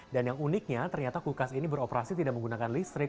dan yang uniknya ternyata kulkas ini beroperasi tidak menggunakan listrik